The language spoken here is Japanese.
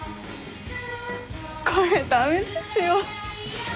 これ駄目ですよ。